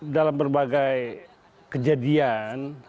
dalam berbagai kejadian